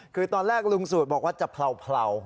คือตอนแรกลุงสูตรบอกว่าจะเผลา